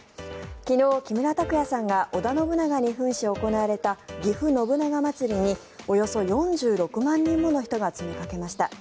昨日、木村拓哉さんが織田信長に扮し行われたぎふ信長まつりにおよそ４６万人もの人が詰めかけました。